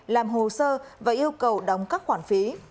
làm hồ sơ và yêu cầu đóng các khoản phí